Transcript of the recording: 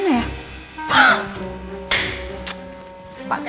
telat kemana ya